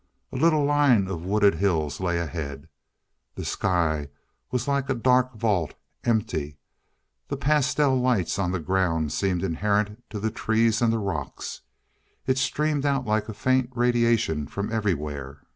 A little line of wooded hills lay ahead. The sky was like a dark vault empty. The pastel light on the ground seemed inherent to the trees and the rocks; it streamed out like a faint radiation from everywhere.